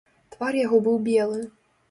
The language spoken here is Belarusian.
Твар яго быў белы.